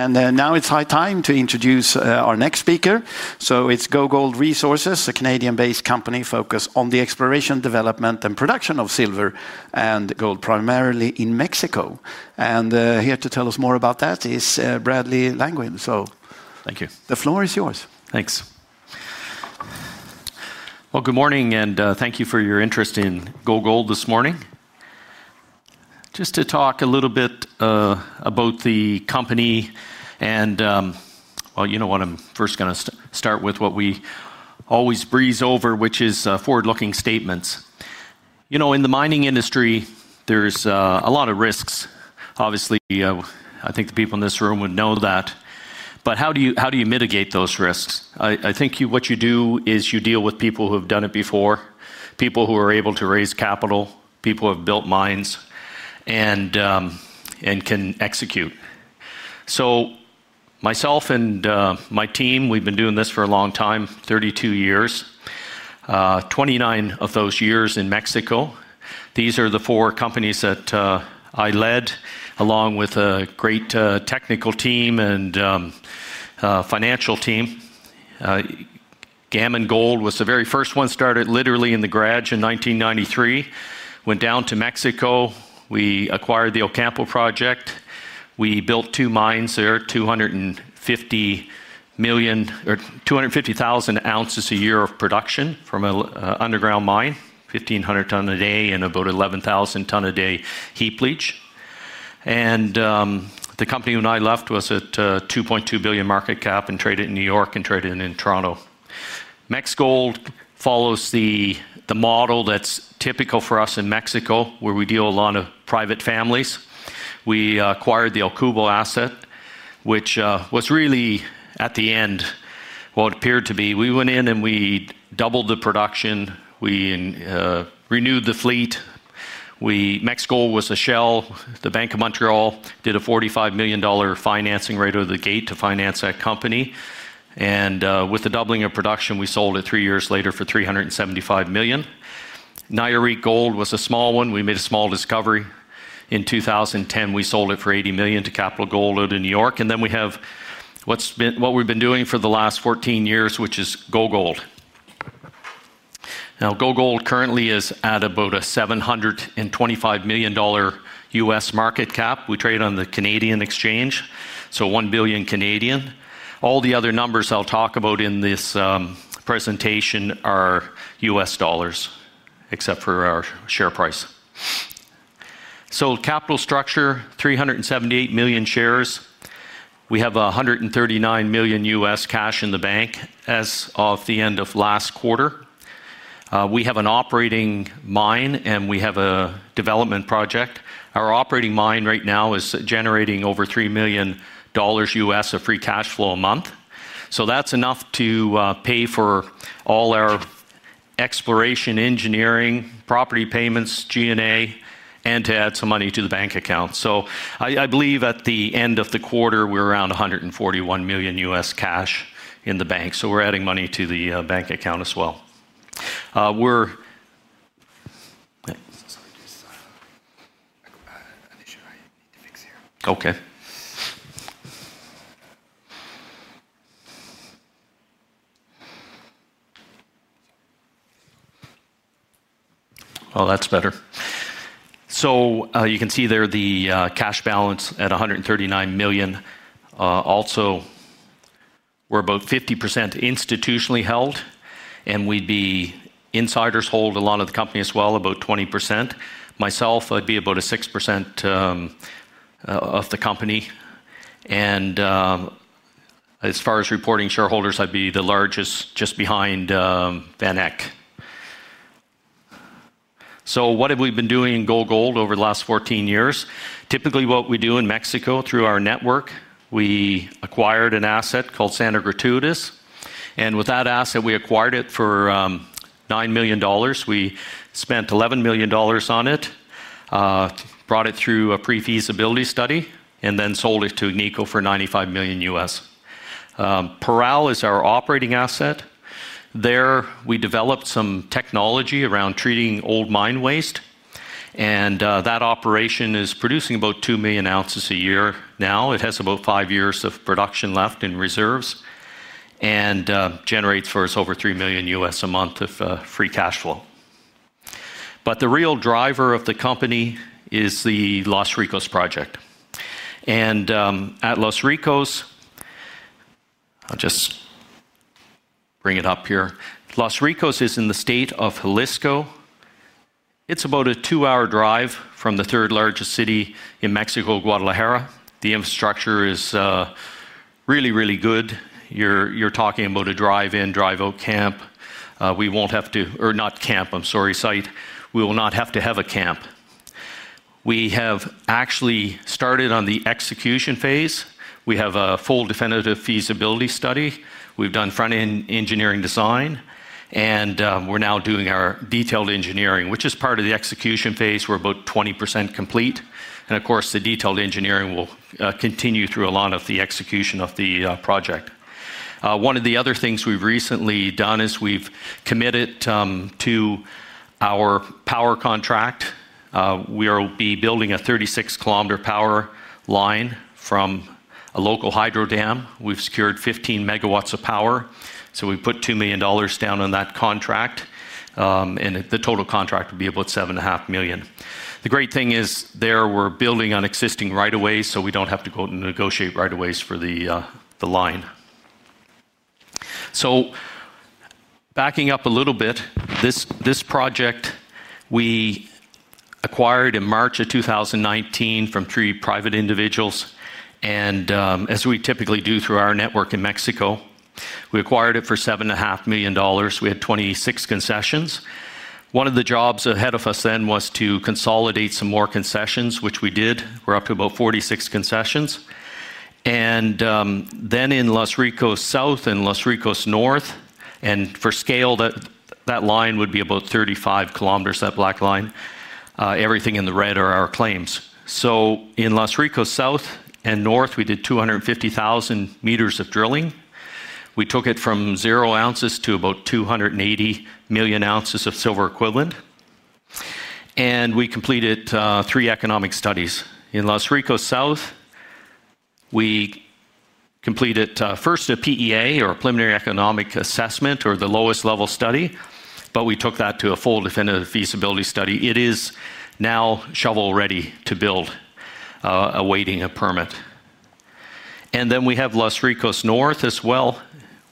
It is high time to introduce our next speaker. GoGold Resources, a Canadian-based company focused on the exploration, development, and production of silver and gold, primarily in Mexico. Here to tell us more about that is Brad Langille. Thank you. The floor is yours. Thanks. Good morning and thank you for your interest in GoGold this morning. Just to talk a little bit about the company and, you know what, I'm first going to start with what we always breeze over, which is forward-looking statements. You know, in the mining industry, there's a lot of risks, obviously. I think the people in this room would know that. How do you mitigate those risks? I think what you do is you deal with people who have done it before, people who are able to raise capital, people who have built mines, and can execute. Myself and my team, we've been doing this for a long time, 32 years, 29 of those years in Mexico. These are the four companies that I led, along with a great technical team and financial team. Gammon Gold was the very first one, started literally in the garage in 1993, went down to Mexico. We acquired the Ocampo project. We built two mines there, 250,000 ounces a year of production from an underground mine, 1,500 ton a day and about 11,000 ton a day heap leach. The company when I left was at $2.2 billion market cap and traded in New York and traded in Toronto. MexGold follows the model that's typical for us in Mexico, where we deal a lot with private families. We acquired the El Cubo asset, which was really, at the end, what it appeared to be. We went in and we doubled the production. We renewed the fleet. MexGold was a shell. The Bank of Montreal did a $45 million financing right out of the gate to finance that company. With the doubling of production, we sold it three years later for $375 million. Nayarit Gold was a small one. We made a small discovery in 2010. We sold it for $80 million to Capital Gold out of New York. Then we have what we've been doing for the last 14 years, which is GoGold. Now, GoGold currently is at about a $725 million U.S. market cap. We trade on the Canadian exchange, so 1 billion. All the other numbers I'll talk about in this presentation are U.S. dollars, except for our share price. Capital structure, 378 million shares. We have $139 million cash in the bank as of the end of last quarter. We have an operating mine and we have a development project. Our operating mine right now is generating over $3 million. of free cash flow a month. That's enough to pay for all our exploration, engineering, property payments, G&A, and to add some money to the bank account. I believe at the end of the quarter, we're around $141 million cash in the bank. We're adding money to the bank account as well. Sorry. Let me make sure I fix here. OK. Oh, that's better. You can see there the cash balance at $139 million. We're about 50% institutionally held, and insiders hold a lot of the company as well, about 20%. Myself, I'd be about 6% of the company. As far as reporting shareholders, I'd be the largest, just behind Van Eck. What have we been doing in GoGold Resources Inc. over the last 14 years? Typically, what we do in Mexico through our network, we acquired an asset called Santa Gratudes. With that asset, we acquired it for $9 million. We spent $11 million on it, brought it through a pre-feasibility study, and then sold it to Nico for $95 million Parral is our operating asset. There, we developed some technology around treating old mine waste, and that operation is producing about 2 million ounces a year now. It has about five years of production left in reserves and generates for us over $3 million a month of free cash flow. The real driver of the company is the Los Ricos project. At Los Ricos—I'll just bring it up here. Los Ricos is in the state of Jalisco. It's about a two-hour drive from the third largest city in Mexico, Guadalajara. The infrastructure is really, really good. You're talking about a drive-in, drive-out site. We will not have to have a camp. We have actually started on the execution phase. We have a full definitive feasibility study. We've done front-end engineering design, and we're now doing our detailed engineering, which is part of the execution phase. We're about 20% complete. The detailed engineering will continue through a lot of the execution of the project. One of the other things we've recently done is we've committed to our power contract. We'll be building a 36 km power line from a local hydro dam. We've secured 15 MW of power. We put $2 million down on that contract, and the total contract would be about $7.5 million. The great thing is there, we're building on existing right-of-ways, so we don't have to go out and negotiate right-of-ways for the line. Backing up a little bit, this project we acquired in March of 2019 from three private individuals. As we typically do through our network in Mexico, we acquired it for $7.5 million. We had 26 concessions. One of the jobs ahead of us then was to consolidate some more concessions, which we did. We're up to about 46 concessions. In Los Ricos South and Los Ricos North, for scale, that line would be about 35 km, that black line. Everything in the red are our claims. In Los Ricos South and North, we did 250,000 m of drilling. We took it from 0 ounces to about 280 million ounces of silver equivalent. We completed three economic studies. In Los Ricos South, we completed first a PEA, or a preliminary economic assessment, or the lowest level study. We took that to a full definitive feasibility study. It is now shovel-ready to build, awaiting a permit. We have Los Ricos North as well,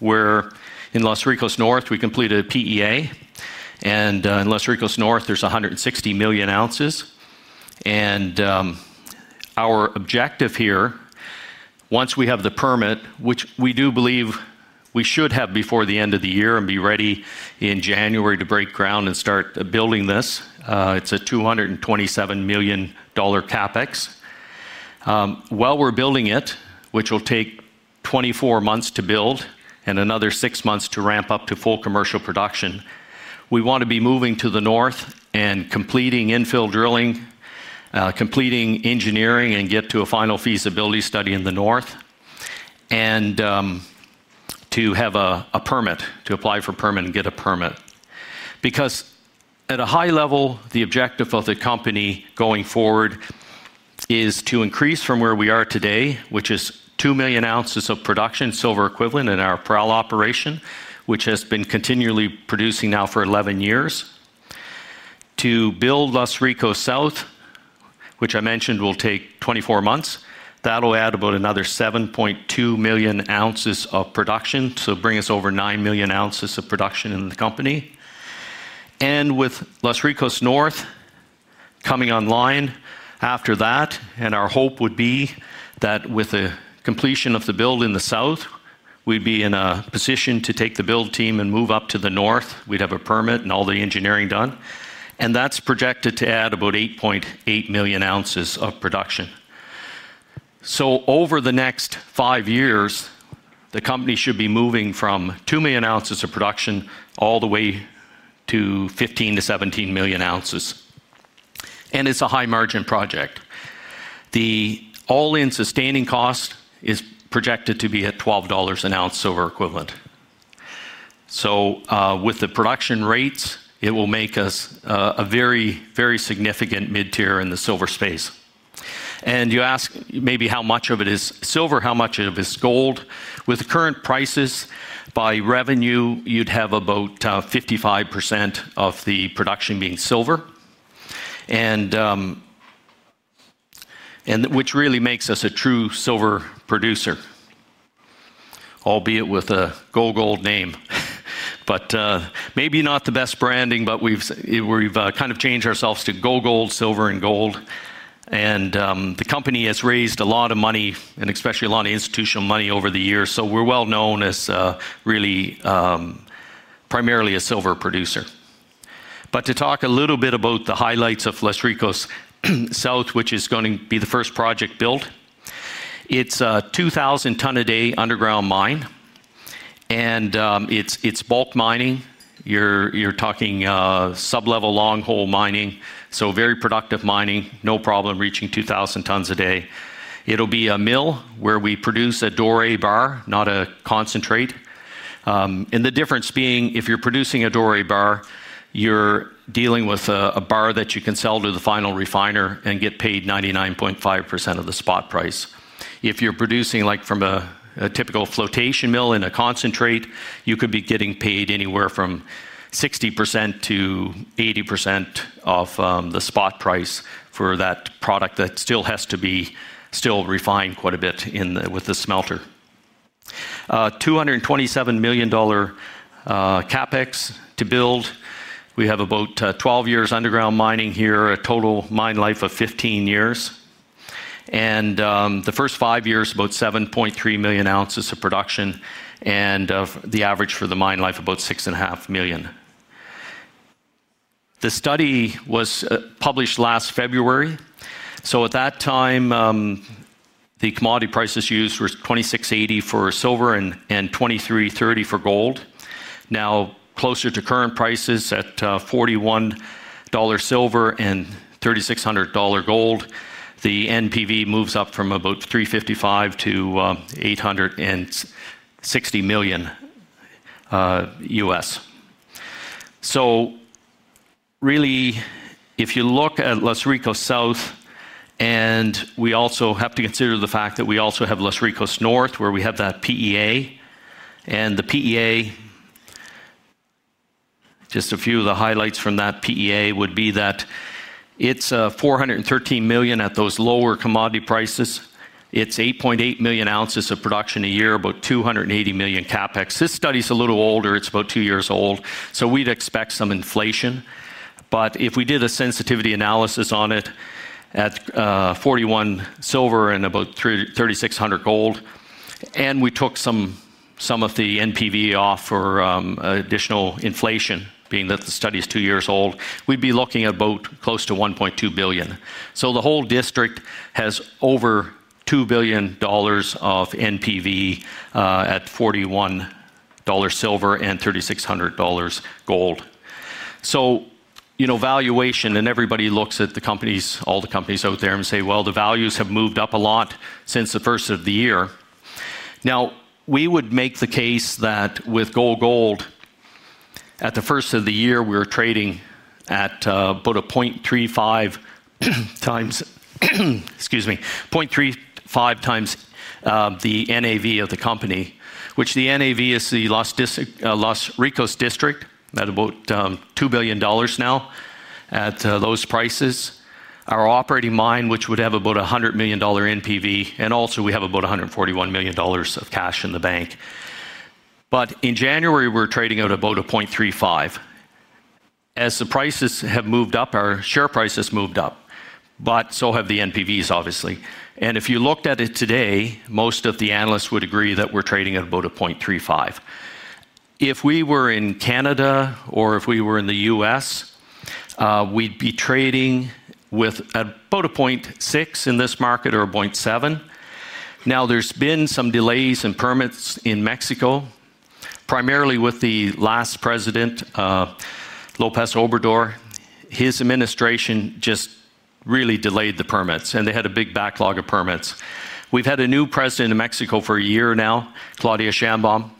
where in Los Ricos North, we completed a PEA. In Los Ricos North, there's 160 million ounces. Our objective here, once we have the permit, which we do believe we should have before the end of the year and be ready in January to break ground and start building this, it's a $227 million CAPEX. While we're building it, which will take 24 months to build and another six months to ramp up to full commercial production, we want to be moving to the North and completing infill drilling, completing engineering, and get to a final feasibility study in the North and to have a permit, to apply for a permit and get a permit. At a high level, the objective of the company going forward is to increase from where we are today, which is 2 million ounces of production silver equivalent in our Parral operation, which has been continually producing now for 11 years, to build Los Ricos South, which I mentioned will take 24 months. That'll add about another 7.2 million ounces of production, so bring us over 9 million ounces of production in the company. With Los Ricos North coming online after that, our hope would be that with the completion of the build in the South, we'd be in a position to take the build team and move up to the North. We'd have a permit and all the engineering done. That's projected to add about 8.8 million ounces of production. Over the next five years, the company should be moving from 2 million ounces of production all the way to 15 million-17 million ounces. It's a high-margin project. The all-in sustaining cost is projected to be at $12 an ounce silver equivalent. With the production rates, it will make us a very, very significant mid-tier in the silver space. You ask maybe how much of it is silver, how much of it is gold. With the current prices, by revenue, you'd have about 55% of the production being silver, which really makes us a true silver producer, albeit with a GoGold name. Maybe not the best branding, but we've kind of changed ourselves to GoGold, silver and gold. The company has raised a lot of money, and especially a lot of institutional money over the years. We're well known as really primarily a silver producer. To talk a little bit about the highlights of Los Ricos South, which is going to be the first project built, it's a 2,000-ton a day underground mine. It's bulk mining. You're talking sub-level long-hole mining, so very productive mining, no problem reaching 2,000 tons a day. It'll be a mill where we produce a doré bar, not a concentrate. The difference being, if you're producing a doré bar, you're dealing with a bar that you can sell to the final refiner and get paid 99.5% of the spot price. If you're producing like from a typical flotation mill in a concentrate, you could be getting paid anywhere from 60%-80% of the spot price for that product that still has to be refined quite a bit with the smelter. $227 million CapEx to build. We have about 12 years underground mining here, a total mine life of 15 years. The first five years, about 7.3 million ounces of production, and the average for the mine life about 6.5 million. The study was published last February. At that time, the commodity prices used were $26.80 for silver and $2,330 for gold. Now, closer to current prices at $41 silver and $2,360 gold, the NPV moves up from about $355 million-$860 million If you look at Los Ricos South, we also have to consider the fact that we also have Los Ricos North, where we have that PEA. The PEA, just a few of the highlights from that PEA would be that it's $413 million at those lower commodity prices. It's 8.8 million ounces of production a year, about $280 million CapEx. This study is a little older. It's about two years old. We'd expect some inflation. If we did a sensitivity analysis on it at $41 silver and about $2,360 gold, and we took some of the NPV off for additional inflation, being that the study is two years old, we'd be looking at about close to $1.2 billion. The whole district has over $2 billion of NPV at $41 silver and $2,360 gold. You know valuation, and everybody looks at all the companies out there and say, the values have moved up a lot since the first of the year. Now, we would make the case that with GoGold, at the first of the year, we were trading at about 0.35 times the NAV of the company, which the NAV is the Los Ricos District, at about $2 billion now at those prices. Our operating mine, which would have about a $100 million NPV, and also we have about $141 million of cash in the bank. In January, we're trading at about 0.35. As the prices have moved up, our share price has moved up, but so have the NPVs, obviously. If you looked at it today, most of the analysts would agree that we're trading at about 0.35. If we were in Canada or if we were in the U.S., we'd be trading with about 0.6 in this market or 0.7. There have been some delays in permits in Mexico, primarily with the last president, Lopez Obrador. His administration just really delayed the permits, and they had a big backlog of permits. We've had a new president in Mexico for a year now, Claudia Sheinbaum.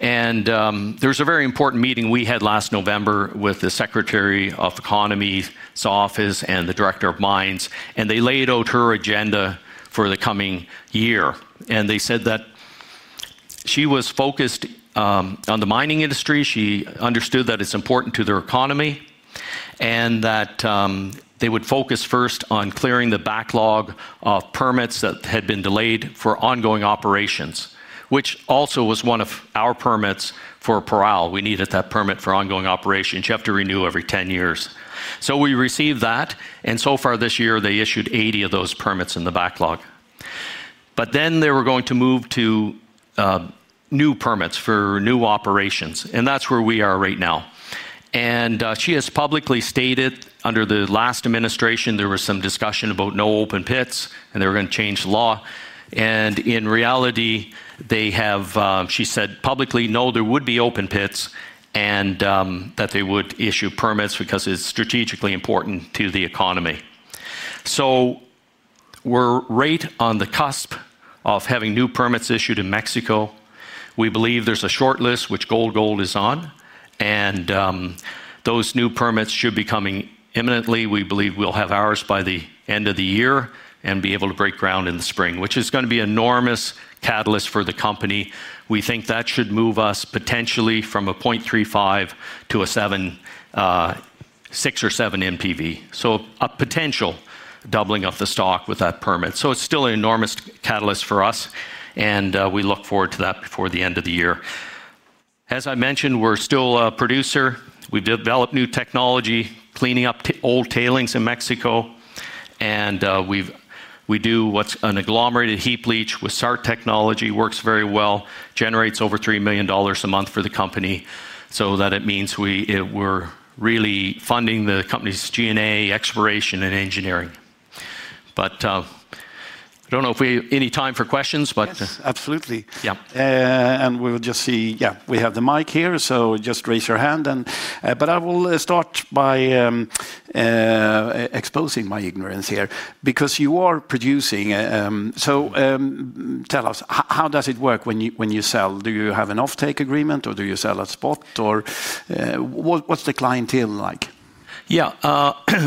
There was a very important meeting we had last November with the Secretary of Economy's Office and the Director of Mines. They laid out her agenda for the coming year. They said that she was focused on the mining industry. She understood that it's important to their economy and that they would focus first on clearing the backlog of permits that had been delayed for ongoing operations, which also was one of our permits for Parral. We needed that permit for ongoing operations. You have to renew every 10 years. We received that. So far this year, they issued 80 of those permits in the backlog. They were going to move to new permits for new operations. That's where we are right now. She has publicly stated under the last administration, there was some discussion about no open pits, and they were going to change the law. In reality, she said publicly, no, there would be open pits and that they would issue permits because it's strategically important to the economy. We're right on the cusp of having new permits issued in Mexico. We believe there's a shortlist, which GoGold is on. Those new permits should be coming imminently. We believe we'll have ours by the end of the year and be able to break ground in the spring, which is going to be an enormous catalyst for the company. We think that should move us potentially from 0.35 to 6 or 7 NPV. A potential doubling of the stock with that permit. It's still an enormous catalyst for us. We look forward to that before the end of the year. As I mentioned, we're still a producer. We develop new technology, cleaning up old tailings in Mexico. We do what's an agglomerated heap leach with SART technology. It works very well, generates over $3 million a month for the company, so that means we're really funding the company's G&A, exploration, and engineering. I don't know if we have any time for questions. Yes, absolutely. Yeah. We will just see. We have the mic here, so just raise your hand. I will start by exposing my ignorance here because you are producing. Tell us, how does it work when you sell? Do you have an off-take agreement, or do you sell at spot? What's the clientele like? Yeah.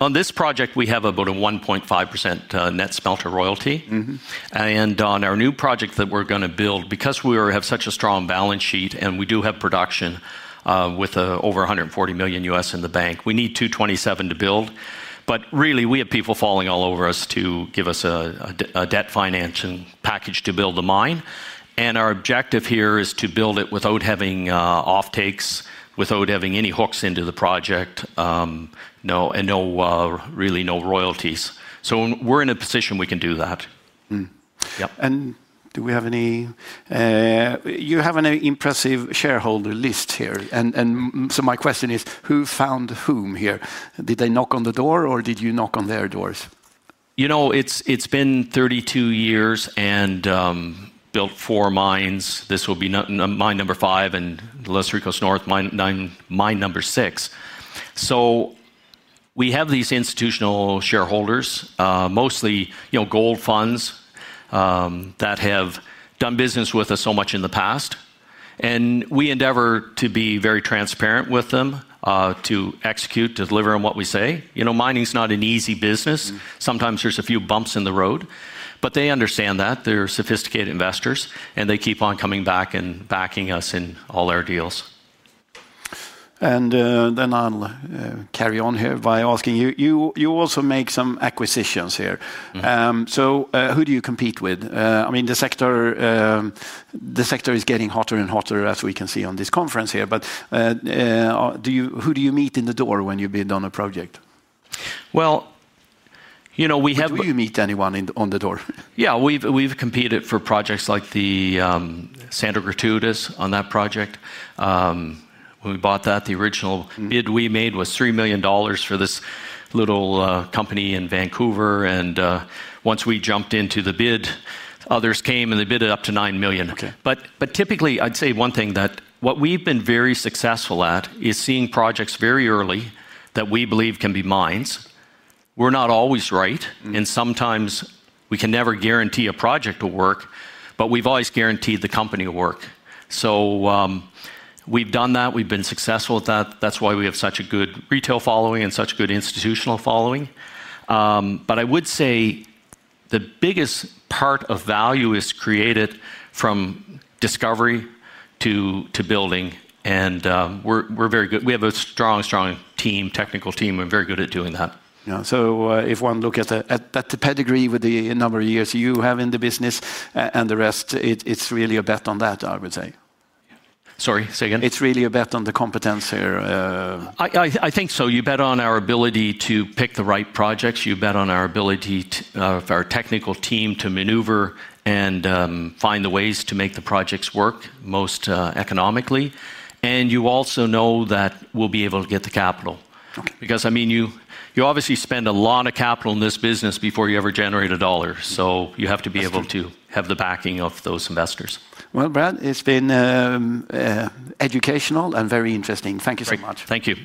On this project, we have about a 1.5% net smelter royalty. On our new project that we're going to build, because we have such a strong balance sheet and we do have production with over $140 million in the bank, we need $227 million to build. We have people falling all over us to give us a debt financing package to build the mine. Our objective here is to build it without having off-takes, without having any hooks into the project, and really no royalties. We're in a position we can do that. Do we have any, you have an impressive shareholder list here. My question is, who found whom here? Did they knock on the door, or did you knock on their doors? You know, it's been 32 years and built four mines. This will be mine number five and the Los Ricos North, mine number six. We have these institutional shareholders, mostly gold funds that have done business with us so much in the past. We endeavor to be very transparent with them, to execute, to deliver on what we say. Mining is not an easy business. Sometimes there's a few bumps in the road. They understand that. They're sophisticated investors, and they keep on coming back and backing us in all our deals. I'll carry on here by asking you, you also make some acquisitions here. Who do you compete with? I mean, the sector is getting hotter and hotter, as we can see at this conference here. Who do you meet in the door when you bid on a project? You know, we have. Who did you meet, anyone at the door? Yeah, we've competed for projects like the Santa Gratudes on that project. When we bought that, the original bid we made was $3 million for this little company in Vancouver. Once we jumped into the bid, others came, and they bid it up to $9 million. Typically, I'd say one thing that we've been very successful at is seeing projects very early that we believe can be mines. We're not always right. Sometimes we can never guarantee a project will work. We've always guaranteed the company will work. We've done that. We've been successful at that. That's why we have such a good retail following and such a good institutional following. I would say the biggest part of value is created from discovery to building. We're very good. We have a strong, strong team, technical team. We're very good at doing that. Yeah. If one looked at the pedigree with the number of years you have in the business and the rest, it's really a bet on that, I would say. Sorry, say again? It's really a bet on the competence here. I think so. You bet on our ability to pick the right projects. You bet on our ability for our technical team to maneuver and find the ways to make the projects work most economically. You also know that we'll be able to get the capital, because you obviously spend a lot of capital in this business before you ever generate a dollar. You have to be able to have the backing of those investors. Brad, it's been educational and very interesting. Thank you so much. Thank you.